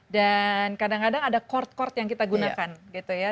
dan kadang kadang ada chord chord yang kita gunakan gitu ya